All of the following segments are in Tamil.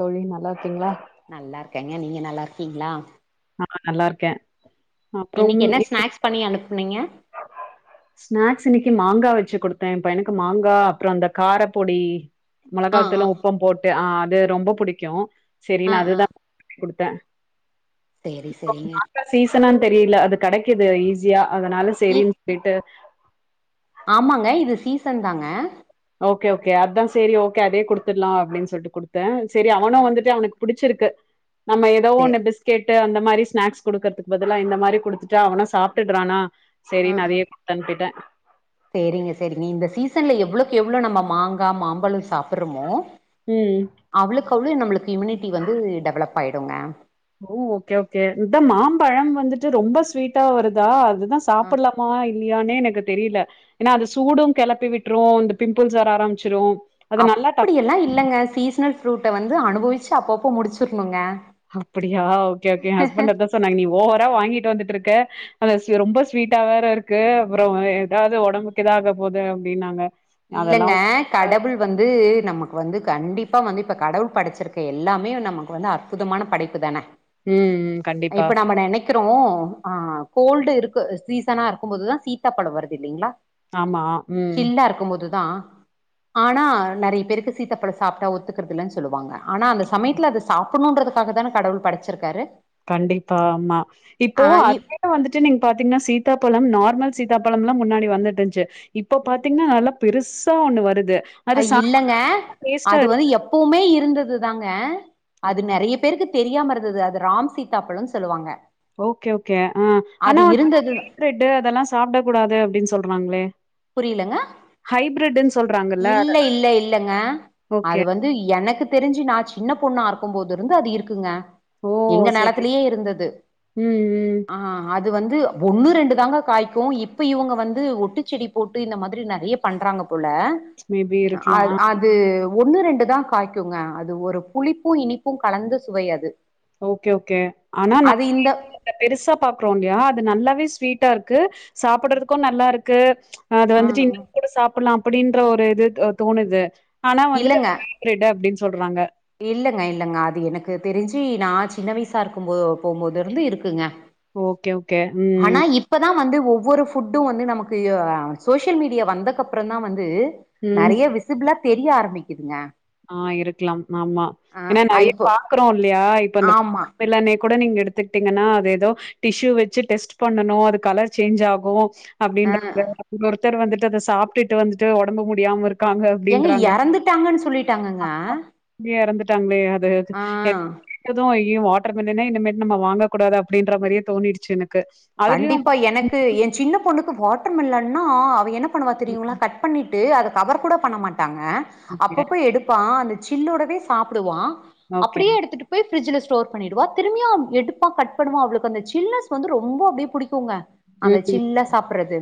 தோழி நல்லா இருக்கீங்களா நல்லா இருக்கேங்க நீங்க நல்லா இருக்கீங்களா ஆ நல்லா இருக்கே அப்புறம் இன்னக்கி என்ன ஸ்நாக்ஸ் பண்ணி அனுப்புனீங்க ஸ்நாக்ஸ் இன்னக்கி மாங்கா வச்சு குடுத்தே எம் பையனுக்கு மாங்கா அப்புறோ அந்த காரப்பொடி ஆ மொளகாத் ஆ தூளும் உப்பும் போட்டு ஆ அது ரொம்ப புடிக்கு செரி ஆ நா அதுதா குடுத்த செரி செரிங்க சீசனான்னு தெரியில அது கெடைக்குது ஈஸியா அதனால இ செரின்னு சொல்லிட்டு ஆமாங்க இது சீசன் தாங்க ஓகே ஓகே அதா செரி ஓகே அதே குடுத்துட்லா அப்பிடின்னு சொல்ட்டு குடுத்த செரி ஆ, அவனு ஆ, வந்துட்டு அவனுக்கு புடிச்சிருக்கு நம்ம ஏதோ சே ஒண்ணு பிஸ்கெட் ட்டு அந்த மாரி ஸ்நாக்ஸ் குடுக்கறதுக்கு பதிலா இந்த மாரி குடுத்துட்டா அவனு சாப்ட்டுட்றானா செரின்னு அதையே குடுத்தனுப்பிட்ட செரிங்க செரிங்க இந்த சீசன்ல எவ்வளக்கு எவ்வளோ நம்ம மாங்கா மாம்பழோ சாப்புட்றோமோ ம் அவ்வளுக்கு அவ்வளோ நம்மளுக்கு இம்யூனிட்டி வந்து டெவலப் ஆயிடுங்க ஓ ஓகே ஓகே இதா மாம்பழம் வந்துட்டு ரொம்ப ஸ்வீட்டா வருதா அதுதா சாப்புட்லா மா இல்லையான்னே எனக்கு தெரியில ஏன்னா அந்த சூடும் கெளப்பி விட்டுரு இந்த பிம்பிள்ஸ் வர ஆரம்பிச்சிரும் அது நல்லா டக் அப்பிடியெல்லா இல்லேங்க சீசனல் ஃப்ரூட்ட வந்து அனுபவிச்சு அப்பப்போ முடிச்சிருணுங்க அப்பிடியா ஓகே ஓகே ஏ ஹஸ்பண்ட் அதா சொன்னாங்க நீ ஓவரா வாங்கிட்டு வந்துட்ருக்க அந்த ஸ்வ ரொம்ப ஸ்வீட்டா வேற இருக்கு அப்புற ஏதாவது ஒடம்புக்கு இதாகப் போது அப்பிடின்னாங்க இல்லங்க கடவுள் வந்து நமக்கு வந்து கண்டிப்பா வந்து இப்போ கடவுள் படச்சிருக்க எல்லாமே நமக்கு வந்து அ ற்புதமான படைப்பு தானே ம் ம் கண்டிப்பா இப்ப நம்ம நெனக் கிறோ ஆ கோல்டு இருக்க சீசனா இருக்கும் போது தா சீதா பழ வருது இல்லைங்களா ஆமா ம் கும் போதுதா ஆனா நெறைய பேருக்கு சீத்தாப்பழ சாப்ட்டா ஒத்துக்கிறதில்லேன்னு சொல்லுவாங்க ஆனா அந்த சமயத்துல அத சாப்புட்ணுன்றதுக்காக தானே கடவுள் படச்சிருக்காரு கண்டிப்பா ஆமா இப்போ ஆ இ அது டா வந்துட்டு நீங்க பாத்தீங்கன்னா சீதாப்பழம் நார்மல் சீதாப்பழம் எல்லாம் முன்னாடி வந்துட்டு இருந்துச்சு இப்ப பாத்தீங்கன்னா நல்லா பெருசா ஒண்ணு வருது அ அது சாப்ப இல்லங்க டேஸ்டா அது இருக்கு வந்து எப்போவுமே இருந்தது தாங்க அது அப் நெறைய பேருக்கு தெரியாம இருந்தது அது ராம் சீதா பழோன்னு சொல்லுவாங்க ஓகே ஓகே ஆ அது ஆனா வந்து இருந்தது ஹைப்ரிட்டு் அதெல்லா சாப்டக் கூடாது அப்பிடின்னு சொல்றாங்களே புரியலங்க ஹைபிரிட்ன்னு சொல்றாங்கல்ல அத இல்ல இல்ல இல்லேங்க ஓகே அது வந் து எனக்கு தெரிஞ்சு நா சின்னப் பொண்ணா இருக்கும் போது இருந்து அது இருக்குங்க ஓ எங்க சரி நெலத்திலயே இருந்தது ம் ம் ஆ அது வந்து ஒன்னு ரெண்டு தாங்க காய்க்கு இப்ப இவுங்க வந்து ஒட்டுச் செடி போட்டு இந்த மாதிரி நெறைய பண்றாங்க போல மேபி நா இருக்கலா ஆ அது ஒண்ணு ரெண்டுதா காய்க்குங்க அது ஒரு புளிப்பும் இனிப்பும் கலந்த சுவை அது ஓகே ஓகே ஆனா ந [inaudible] இந்த பெருசா பாக்குறோ இல்லையா அது நல்லாவே ஸ்வீட்டா இருக்கு ம் சாப்புடறதுக்கு நல்லா இருக்கு அது ம் வந்துட்டு இன்னு ம். கூட சாப் ப்பிட்லா அப்படின்ற ஒரு இது அ தோணுது ஆனா வந்துட்டு இல்லங்க அத ஹைப்ரிட்டு அப்டின்னு சொல்றாங்க இல்லங்க இல்லங்க அது எனக்கு தெரிஞ்சு நா சின்ன வயசா இருக்கும் போது போம்போது இருந்து இருக்குங்க ஓகே ஓகே ஆனா ம் இப்பதா வந்து ஒவ்வொரு ஃபுட்டு வந்து நமக்கு யா சோஷியல் மீடியா வந்தக்கப்பறந்தா வந்து ம் நெறைய விசிப்பிளா தெரிய ஆரம்மிக்குதுங்க ஆ இருக்கலாம் ஆமா ஏனா ஆ நெறைய இப்போ பாக்குறோ இல்லையா இப்ப இந்த ஆமா இப்ப இல்ல அன்னைக்கு கூட நீங்க எடுத்துக்கிட்டீங்கனா அது எதோ டிஷ்யூ வெச்சு டெஸ்ட் பண்ணனு அது கலர் சேஞ்ச் ஆகு ஆ அப்படின்றாங்க அதுல ஒருத்தர் வந்துட்டு அத சாப்ட்டுட்டு வந்துட்டு ஒடம்பு முடியாம இருக் ஏங்க எறந்துட்டாங்கன் சொல்லிட்டாங்கங்க இங்கே எறந்துட்டாங்களே அதாவ்து ஆ எ எது ஆயி அஐயோ வாட்ரு மில்லனே இனிமேட்டு நம்ம வாங்கக் கூடாது அப்டின்ற மாரியே தோணிருச்சு எனக்கு அதுலயு கண்டிப்பா எனக்கு ஏ சின்ன பொண்ணுக்கு வாட்ரு மில்லன்னா அவ என்ன பண்ணுவா தெரியுங்களா கட் பண்ணிட்டு அத கவர் கூட பண்ண மாட்டாங்க ஓகே அப்பப்ப எடுப் ப்பா அந்த சில்லோடவே சாப்டுவா ஓகே அப்டியே எடுத்துட்டு போய் ஃப்ரிட்ஜில ஸ்டோர் பண்ணிடுவா திரும்பியு அம் எடுப்பா கட் பண்ணுவா அவளுக்கு அந்த சில்னஸ் வந்து ரொம்ப அப்டியே புடிக்குங்க அந்த ம் சில்லா சாப்பிட்றது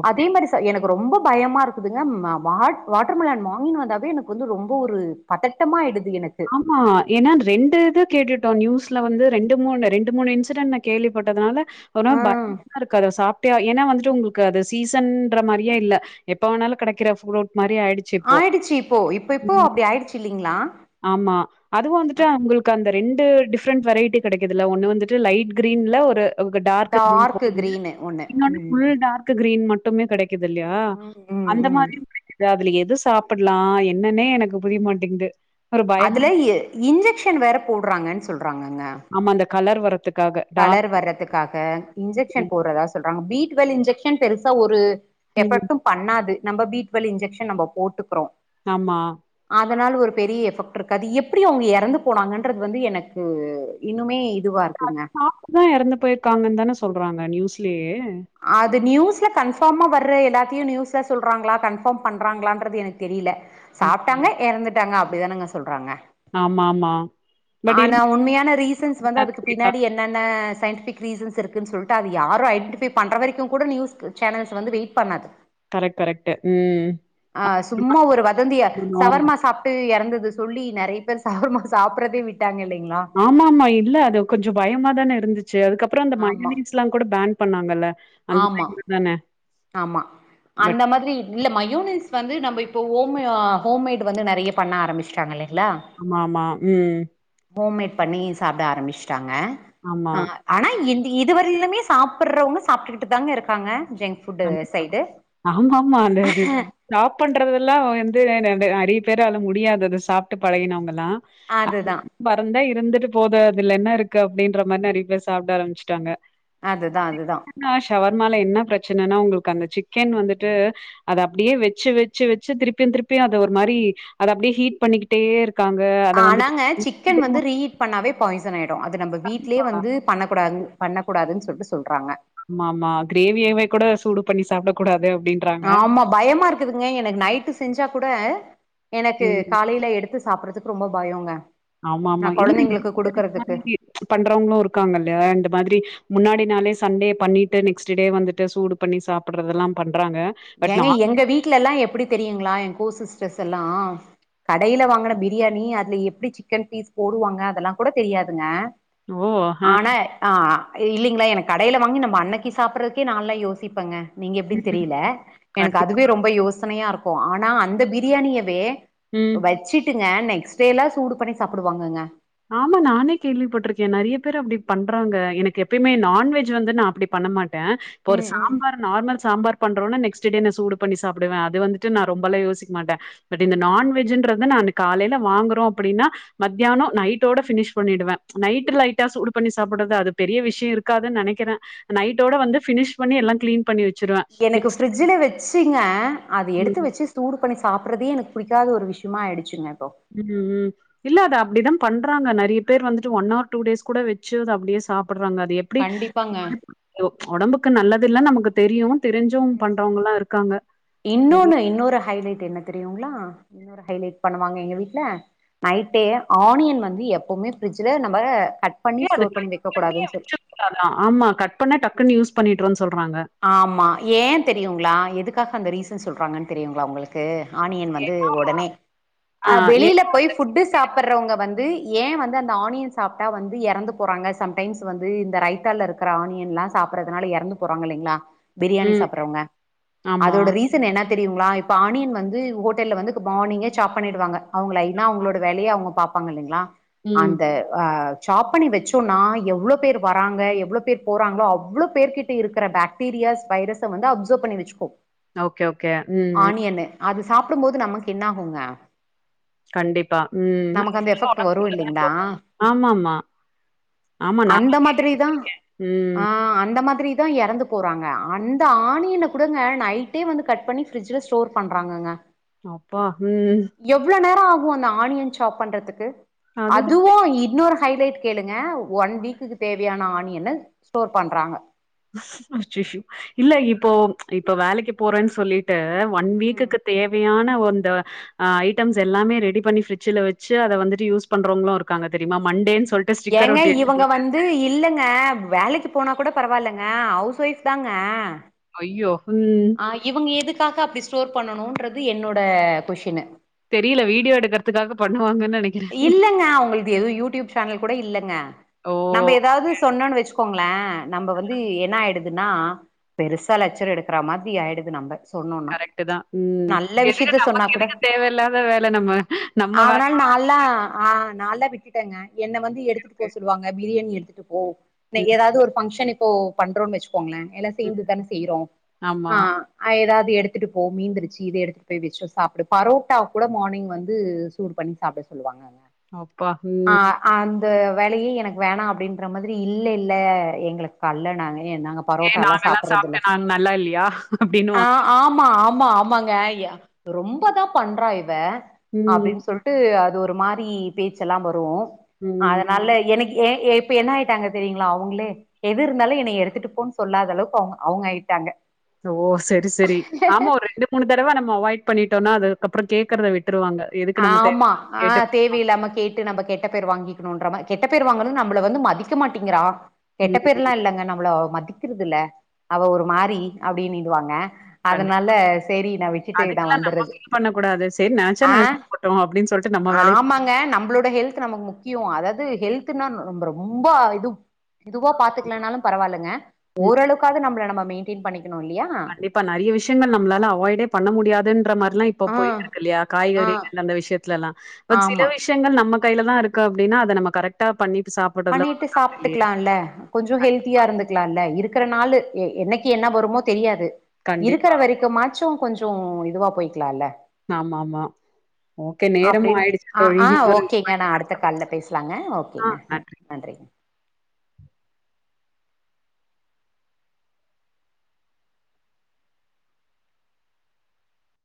ஓகே அதே மாரி த்த எனக்கு ரொம்ப பயமா இருக்குதுங்க ம வாட் வாட்ரு மெலன் வாங்கினு வந்தாவே எனக்கு வந்து ரொம்ப ஒரு பதட்டமாயிடுது எனக் ஆமா ஏனா ரெண்டு இது கேட்டுட்டோ நியூஸ்ல வந்து ரெண்டு மூணு ரெண்டு மூணு இன்சிடென்ட் நா கேள்விப்பட்டதுனால ஒரு நா ம் பயமா இருக்கு அத சாப்பிட்டா ஏனா வந்துட்டு உங்களுக் கு அது சீசன்ற மாரியு இல்ல எப்ப வேணாலு கெடைக்கிற ஃப்ரூட் மாரி ஆயிடுச் ஆயிடுச்சு இப்போ இப்பப்போ அப்டி ஆயிடுச்சு இல்லைங்ளா ஆமா அதுவு வந்துட்டு அவுங்களுக்கு அந்த ரெண்டு டிஃப்ரெண்ட் வெரைட்டி கெடைக்குதுல ஒன்னு வந்துட்டு லைட் கிரீன்ல ஒரு டார்க்கு கிரீன் டார்க் கோடுல்லது கிரீனு ஒண்ணு இன்னொன்னு ம் ஃபுல் டார்க்கு கிரீன் மட் ட்டுமே கெடைக்குது இல்லையா ம் ம் அந்த ம் மாரியு கூட இருக்கு அதுல எது சாப்பிட்லா என்னன்னே எனக்கு புரியமாட்டிங்குது அதுலயே இன்ஜெக்ஷன் வேற போட்றாங்கன் சொல்றாங்கங்க ஆமா அந்த கலர் வரத்துக் கலர் வர்றத்துக்காக இன்ஜெக்ஷன் கிரீன் போட்றதா சொல்றாங்க பீ டுவெல் இன்ஜெக்ஷன் பெருசா ஒரு ம் எஃபெக்ட்டு பண்ணாது நம்ப பீ டூவெல் இன்ஜெக்ஷன் நம்ப போட்டுக்கிறோ ஆமா அதனால ஒரு பெரிய எஃபெக்ட் இருக்காது எப்டி அவ்ங்க எறந்து போனாங்கன்றது வந்து எனக்கு இன்னுமே இதுவா இருக்குங்க அப்டிதா எறந்து போயிருக்காங்கன் தான சொல்றாங்க நியூஸ்லயே அது நியூஸ்ல கன்ஃபார்மா வர்ற எல்லாத்தையு நியூஸ்ல சொல்றாங்களா கன்ஃபார்ம் பண்றாங்களான்றது எனக்கு தெரியல சாப்ட்டாங்க ம். எறந்துட்டாங்க அப்டிதானங்க சொல்றாங்க ஆமாம்மா ஆனா உண்மையான ரீசன்ஸ் வந்து அதுக்கு கேட்டா பின்னாடி என் னென்ன சயின்டிஃபிக் ரீசன்ஸ் இருக்குன் சொல்ட்டு அது யாரு ஐடன்டிஃபை பண்ற வரைக்கு கூட நியூஸ் சேனல்ஸ் வந்து வெயிட் பண்ணாது கரெக்ட் கரெக்ட்டு ம் ஆ சும்மா ஒரு வதந்திய சவர்மா சாப் ட்டு எறந்தத சொல்லி நெறைய பேர் சவர்மா சாப்பிட்றதே விட்டாங்க இல்லைங்ளா ஆமாம்மா இல்ல அது கொஞ்ச பயமா தான இருந்துச்சு அதுக்கப்றோ அந்த ஆமா மையோனீஸ்லா கூட பேன் பண்ணாங்கள்ல அந்த ஆமா டைம்ல தானே ஆமா அந்த மாதிரி இல்ல மையோனஸ் வந்து நம்ம இப்போ ஹோம்மு ஹோம்மேடு் வந்து நறைய பண்ண ஆரம்பிச்சுட்டாங்க இல்லைங்ளா ஆமா ஆமா ம் ஹோம்மேட் பண்ணி சாப்பிட ஆரம்பிச்சுட்டாங்க ஆமா. ம் அ ஆனா இந்து இது வரையிலுமே சாப்பிட்றவங்க சாப்பிட்டுக்கிட்டு தாங்க இருக்காங்க ஜங்க் ஃபுட் சைடு ஆமா ஆமா அந்த இது றாப் பண்றதெல்லா வந்து நறை அ நறைய பேர்ரால முடியாதது சாப்ட்டு பழகினவங்கல்லா அ அதுதா பறந்தா இருந்துட்டு போது அதுல என்ன இருக்கு அப்டின்ற மாரி தா நறைய பேர் சாப்ட ஆரம்பிச்சுட்டாங்க அதுதா அதுதா க்கா ஷவர்மால என்ன பிரச்சனைன்னா உங்களுக்கு அந்த சிக்கன் வந்துட்டு அத அப்டியே வெச்சு வெச்சு வெச்சு திருப்பியு திருப்பியு அத ஒரு மாரி அத அப்படியே ஹீட் பண்ணிக்கிட்டே இருக் காங்க ஆனாங்க சிக்கன் வந்து ரீ பண்ணாவே பாய்ஷன்னாயிடுமன அது நம்ம வீட்லயே வந்து பண்ணக்கூடாதுன் பண்ணக்கூடாதுன் சொல்ட்டு சொல்றாங்க ஆமா ஆமா கிரேவியவே கூட சூடு பண்ணி சாப்ட கூடாது அப்டின் ஆமா பயமாருக்குதுங்க எனக்கு நைட்டு செஞ்சா கூட எனக்கு ம். காலையில எடுத் து சாப்பறதுக்கு ரொம்ப பயோங்க நா ஆமாமா. இல்ல கொழந்தைங்களுக்கு குடுக்கறதுக்கு மாதிரி பண்றவங்களு இருக்காங்க இல்லையா அந்த மாதிரி முன்னாடி நாளே சண்டே பண்ணிட்டு நெக்ஸ்ட் டே வந்துட்டு சூடு பண்ணி சாப்பிறதல்லா பண்றாங்க பட் நா ஏங்க எங்க வீட்லெல்லா எப்பிடி தெரியுங்களா ஏ கோ சிஸ்டர்ஸெல்லா கடையில வாங்குன பிரியாணி அதுல எப்டி சிக்கன் பீஸ் போடுவாங்க அதெல்லா கூட தெரியாதுங்க ஓ ஆ ஆன ஆ இல்லைங்ளே எனக்கு கடையில வாங்கி நம்ம அன்னைக்கி சாப்பிட்றதுக்கே நான்லா யோசிப்பங்க நீங்க எப்பிடின்னு ம், தெரியல எனக்கு கண்டிப்பா அதுவே ரொம்ப யோசனையாருக்கு ஆனா அந்த பிரியாணியவே ம் வச்சிட்டுங்க நெக்ஸ்ட்டேல்லா சூடு பண்ணி சாப்புடுவாங்கங்க ஆமா நானே கேள்விப்பட்டுருக்கே நறைய பேரு அப்டி பண்றாங்க எனக்கு எப்பயுமே நான்வெஜ் வந்து நா அப்டி பண்ண மாட்டே ட்ட இப்போ ஒரு ம் ம் சாம்பார் நார்மல் சாம்பார் பண்றோனா நெஸ்ட்டே சூடு பண்ணி சாப்புடுவே அது வந்து நா ரொம்பலா யோசிக்க மாட்ட பட் இந்த ம் ம் நான்வெஜ்ன்றத நா காலையில வாங்குறோ அப்டின்னா மத்தியானோ நைட் டோட பினிஷ் பண்ணிடுவே நைட்டு லைட்டா சூடு பண்ணி சாப்புட்றது பெரிய விஷ்யோ இருக்காதுன் நெனைக்கிறே நைட்டோட வந்து ஃபினி்ஸ் பண்ணி எல்லா கிளீன் பண்ணி வெச் எனக்கு ஃப்ரிட்ஜ்ல வெச்சுங்க அது எடுத்து ம். வெச்சு தூடு பண்ணி சாப்பட்றதே எனக்கு புடிக்காத ஒரு விஷ்யமாயிடுச்சுங்க இப்போ ம் ம் இல்ல அத அப்படிதா பண்றாங்க நறைய பேர் வந்துட்டு ஒன் ஆர் டூ டேஸ் கூட வெச்சர்த அப்டியே சாப்புட்றாங்க அதயே அப்பிடி கண்டிப்பாங்க ஒ ஒடம்புக்கு நல்லது இல்ல நமக்கு தெரியு தெரிஞ்சு பண்றவங்கள்லு இருக்காங்க தெரி இன்னொன்னு இன்னொரு ஹைலைட் என்ன தெரியுங்ளா இன்னொரு ஹைலைட் பண்ணுவாங்க எங்க வீட்ல நைட்டே ஆனியன் வந்து எப்பவுமே ஃப்ரிட்ஜ்ல நம்ப கட் பண்ணி ஸ்டோர் பண்ணி வைக்க கூடாதுன்னு சொல் இல்ல அதா ஆமா கட் பண்ணா டக்குன்னு யூஸ் பண்ணிட்டுருன்னு சொல்றாங்க ஆமா ஏ தெரியுங்ளா எதுக்காக அந்த ரீசன் சொல்றாங்கன்னு தெரியுங்ளா உங்களுக் கு ஆனியன் வந்து ஒடனே ஆ வெளியில ஏன்னா போய் அது ஃபுட்டு சாப்பர்றவுங்க வந்து ஏ வந்து அந்த ஆனியன் சாப்ட்டா வந்து எறந்து போறாங்க சம் டைம்ஸ் வந்து இந்த ரைத்தாலருக் ற ஆனியன்லா சாப்பறதுனால இறந்து போறாங்க இல்லைங்களா பிரியாணி ம் சாப்பறவங்க ஆமா அதோட ரீ சன் என்ன தெரியுங்களா இப்ப ஆனியன் வந்து ஹோட்டல்ல வந்து மார்னிங்கே சாப் பண்ணிடுவாங்க அவங்க லைன்னா அவங்களோட வேலையை அவங்க பார்ப்பாங்க இல்லைங்களா ம் அந்த அ சாப் பண்ணி வச்சோம்ன்னா எவ்ளோ பேர் வராங்க எவ்ளோ பேர் போறாங்களோ அவ்ளோ பேர்கிட் ட இருக்கிற பாக்டீரியாஸ் வைரஸ்ஸ வந்து அப்சர்வ் பண்ணி வச்சுக்கும் ஓகே ஓகே ம் ம் ஆனியனு. அது சாப்பிடும் போது நமக்கு என்ன ஆகுங்க கண்டிப்பா ம் நமக்கு அந்த எஃபெக்ட் வரும் இல்லைங்களா? ஆமா ஆமா நா அந்த மாதிரி தான் ஆ ம் அந்த மாதிரி அதான் இறந்து போறாங்க அந்த ஆணியன கூடங்க நைட்டே வந்து கட் பண்ணி பிரிட்ஜ்ல ஸ்டோர் பண்றாங்கங்க அப்பா ம் எவ்ளோ நேரம் ஆகும் அந்த ஆனியன் சாப் பண்றதுக்கு அதுதா அதுவும் இன்னொரு ஹைலைட் கேளுங்க ஒன் வீக்குக்கு தேவையான ஆணியன ஸ்டோர் பண்றாங்க அச்சச்சோ இல்ல இப்போ இப்ப வேலைக்கு போறன் சொல்லீட்டு ஒன் வீக்குக்கு தேவையான வந்தவ அ ஐட்டம்ஸ் எல்லாமே ரெடி பண்ணி ஃபிரிட்ஜ்ல வச்சு அத வந்துட்டு யூஸ் பண்றவங்களு இருக்காங்க தெரிமா மண்டேன் சொல் ஏங்க இவுங்க வந் து இல்லங்க வேலைக்கு போனா கூட பரவாயில்லங்க ஹவுஸ் ஒய்ஃப் தாங்க அய்யோ ம் அ இவுங்க எதுக்காக அப்டி ஸ்டோர் பண்ணணூன்றது என்னோட கொஷினு தெரீல வீடியோ எடுக்கறதுக்காக பண்ணுவாங்கன் நெனை இல்லங்க அவுங்கள்து எதூ யூடியூப் சேனல் கூட இல்லங்க ஓ நம்ப எதாவுது சொன்னோனு வச் கோங்ளே நம்ப வந்து என்ன ஆயிடுதுன்னா பெருசா லச்சர் எடுக்கற மாதிரி ஆயிடுது நம்ம சொன்னோன்னா கரெக்ட்டுதா ம் நல்ல எதுக்கு விஷயத்த சொன்னா நமக்கு கூட எதுக்கு தேவைல்லாத வேல நம்ம நம்ம வேலய பா அதா ஆ நால்லா விட்டுட்டங்க என்ன வந்து எடுத்துட்டு போ சொல்லுவாங்க பிரியாணி எடுத்துட்டு போ ம் ஏதாவது ஒரு ஃபங்க்ஷன் இப்போ பண்றோன்னு வச்சுக்கோங்களே எல்லா ம் சேந்துதான செய்றோ ஆமா ஆ அ எதாது எடுத்துட்டு போ மீந்திருச்சு இத எடுத்துட்டு போய் வெச்சு சாப்டு பரோட்டா கூட மார்னிங் வந்து சூடுபண்ணி சாப்ட சொல்லுவாங்கங்க அப்பா ம் அ அந்த வேலயே எனக்கு வேணா அப்டின்ற மாதிரி இல்ல இல்ல எங்களுக் கால்ல நாங்க ஏ நாங்க ஏன் பரோட்டால்லா நாங்கல்லா சாப்பட்றதில்ல சாப்ட்டு நாங்க நல்லா இல்லையா ஆ அப்டின்னுவாங்க ஆமா ஆமா ஆமாங் க ஏ ரொம்பதா பண்றா இவ ம் அப்டின் சொல்ட்டு அது ஒரு ஒரு மாரி பேச்செல்லா வரு ம் அதனால எனக் ஏ ஏ இப்ப என்ன ஆயிட்டாங்க தெரியுங்ளா அவுங்ளே எது இருந்தாலு என்ன எடுத்துட்டு போன்னு சொல்லாத அளவுக்கு அவுங் அவுங்க ஆயிட்டாங்க ஓ செரி செரி ஆமா ஒரு ரெண்டு மூணு தடவ நம்ம அவாய்ட் பண்ணிட்டோனா அது அதுக்கப்பறோ கேக்கறத விட்ருவாங்க ஆமா ஆ தே வலி இல்லாம கேட்டு நம்ம கெட்ட பேர் வாங்கிக்கணுன்ற மார் கெட்ட பேர் வாங்கணு நம்மள வந்து மதிக்க மாட்டீங்கிறா கெட்ட ம் பேர்ல்லா இல்லங்க நம்மள அவ மதிக்கிறது இல்ல அவ ஒரு மாறி அப்டின்னீடுவாங்க கண்டிப்பா. அதனால செரி நா வச்சுட்டு நா அதுக்கெல்லாம் வந்தற்ரது ஆ போட்டூ அப்டின் சொல்ட் ஆமாங்க நம்ளோட ஹெல்த் நமக்கு முக்கியோ அதாது ஹெல்த்ன்னா நந நம் ரொம்ப இது இதுவா பாத்துக்கலைனாலு பரவால்லங்க ம் ஓரளவுக்காவது நம்மள நம்ம மெயின்டெயின் பண்ணிக்கணு இல்லயா இப்ப நெறைய விஷ்யங்கள் நம்லாள அவாய்டே பண்ண முடியாதுன்றமாரிலா இப் இப்போ ஆ போயிட்டிருக்கு இல்லயா ஆ காய்கறிகள் அந்த விஷ்யத்துலல்லா பட் சில ஆமா விஷ் விஷ்யங்கள் நம்ம கைலதா இருக்கு அப்டினா அத நம்ம கரக்ட் டா பண்ணீட்டு சாப்பட் பண்ணீட்டு சாப்ட்டுக்கலால்ல கொஞ்சோ ஹெல்த்தியா இருந்துக்லால்ல இருக்கற நாலு என்னைக்கு என்ன வருமோ தெரியாது இருக்குற கண்டிப்பா. வரைக்கும்மாச்சு கொஞ்சோ இதுவா போய்க்கலால்ல ஆமா மா அப்டின் அ ஆ இன்னொரு ஓகேங்க வாய்ப்பு நா அடுத்த கெடச்சா கால்ல பேச்லாங்க ஓகேங்க பேசலாம். நன்றி. அ நன்றி